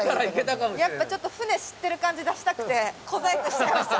やっぱちょっと船知ってる感じ出したくて小細工しちゃいました。